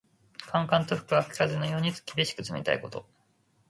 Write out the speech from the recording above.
寒々と吹く秋風のように、厳しく冷たいこと。